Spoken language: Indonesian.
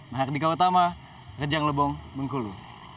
mahardika utama rejang lebong bengkulu